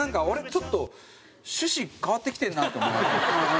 ちょっと趣旨変わってきてるなって思い始めて。